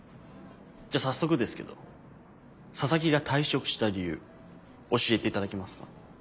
じゃあ早速ですけど佐々木が退職した理由教えていただけますか？